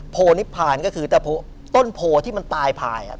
โพนิพพานก็คือต้นโพที่มันตายภายอ่ะ